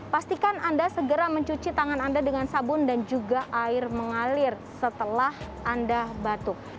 pastikan anda segera mencuci tangan anda dengan sabun dan juga air mengalir setelah anda batuk